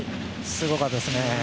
すごかったですね。